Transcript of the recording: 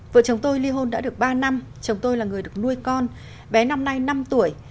vợ chồng tôi ly hôn đã được ba năm chồng tôi là người được nuôi con bé năm nay năm tuổi